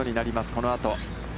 このあと。